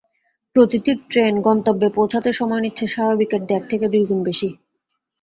প্রতিটি ট্রেন গন্তব্যে পৌঁছাতে সময় নিচ্ছে স্বাভাবিকের দেড় থেকে দুই গুণ বেশি।